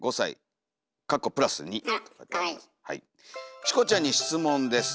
「チコちゃんにしつ問です。